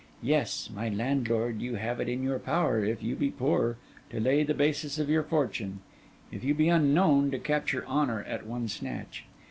Yes, my landlord, you have it in your power, if you be poor, to lay the basis of your fortune; if you be unknown, to capture honour at one snatch.